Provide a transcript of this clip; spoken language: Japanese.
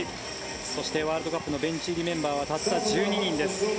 そしてワールドカップのベンチ入りメンバーは枠が１２人です。